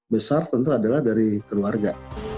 besar tentu adalah dari keluarga